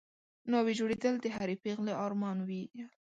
ناوې جوړېدل د هرې پېغلې ارمان وي